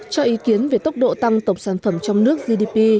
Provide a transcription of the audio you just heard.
cho ý kiến về tốc độ tăng tổng sản phẩm trong nước gdp